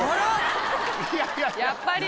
やっぱり！